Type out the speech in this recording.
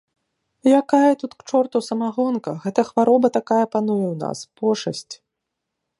Якая тут к чорту самагонка, гэта хвароба такая пануе ў нас, пошасць.